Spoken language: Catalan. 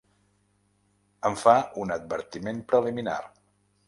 Em fa un advertiment preliminar.